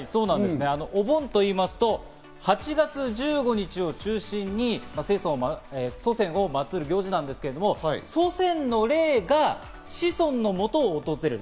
お盆というと８月１５日を中心に祖先を祭る行事なんですけど、祖先の霊が子孫のもとを訪れる。